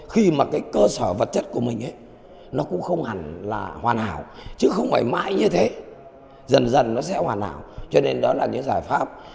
khi mà cái cơ sở vật chất của mình ấy nó cũng không hẳn là hoàn hảo chứ không phải mãi như thế dần dần nó sẽ hoàn hảo cho nên đó là những giải pháp